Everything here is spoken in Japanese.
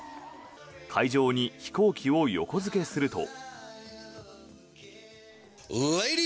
会場に飛行機を横付けすると。